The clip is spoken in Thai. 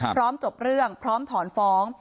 จบเรื่องพร้อมถอนฟ้อง